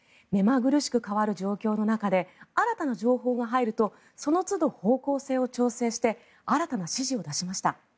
目まぐるしく変わる状況の中で新たな情報が入るとそのつど方向性を調整して新たな指示を出しました。